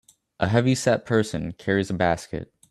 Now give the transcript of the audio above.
A heavyset person carries a basket